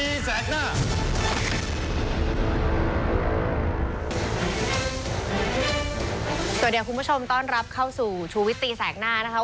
สวัสดีคุณผู้ชมต้อนรับเข้าสู่ชูวิตตีแสกหน้านะครับ